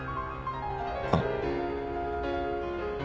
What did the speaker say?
あっ。